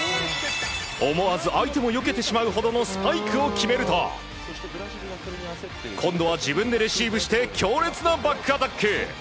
思わず相手もよけてしまうほどのスパイクを決めると今度は自分でレシーブして強烈なバックアタック。